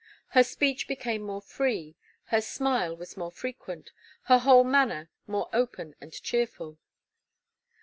Her speech became more free, her smile was more frequent, her whole manner more open and cheerful.